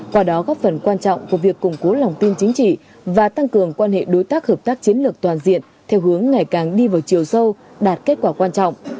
qua đó góp phần quan trọng của việc củng cố lòng tin chính trị và tăng cường quan hệ đối tác hợp tác chiến lược toàn diện theo hướng ngày càng đi vào chiều sâu đạt kết quả quan trọng